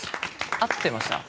合ってました？